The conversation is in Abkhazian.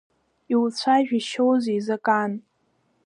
Иуцәажәашьоузеи Закан?